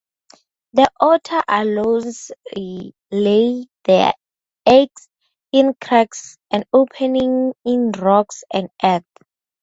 The water anoles lay their eggs in cracks and openings in rocks and earth.